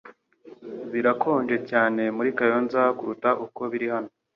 Birakonje cyane muri Kayonza kuruta uko biri hano .